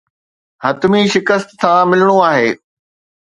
حتمي شڪست سان ملڻو آهي.